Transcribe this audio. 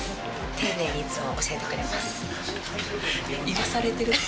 丁寧にいつも教えてくれます。